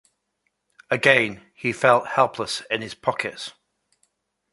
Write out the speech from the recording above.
Again he felt helplessly in his pockets.